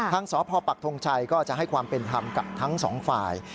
สพปักทงชัยก็จะให้ความเป็นธรรมกับทั้งสองฝ่าย